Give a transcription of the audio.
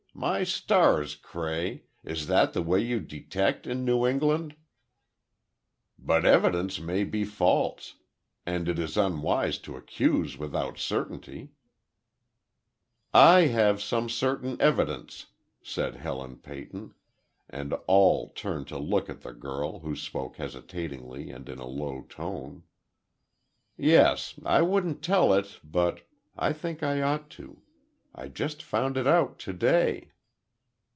My stars, Cray! is that the way you detect in New England!" "But evidence may be false, and it is unwise to accuse without certainty—" "I have some certain evidence," said Helen Peyton, and all turned to look at the girl, who spoke hesitatingly and in a low tone. "Yes, I wouldn't tell it—but—I think I ought to. I just found it out today."